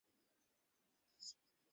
তাদের চোখের কোণে জল।